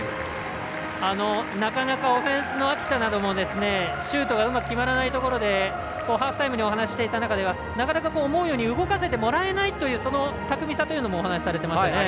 なかなかオフェンスの秋田などもシュートがうまく決まらないところでハーフタイムにお話をしていた中で思うように動かせてもらえないという巧みさというのもお話されていましたね。